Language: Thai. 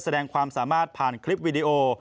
แสดงความสามารถผ่านคลิปวิดีโอ